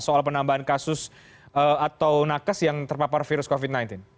soal penambahan kasus atau nakes yang terpapar virus covid sembilan belas